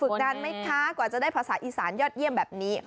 การไหมคะกว่าจะได้ภาษาอีสานยอดเยี่ยมแบบนี้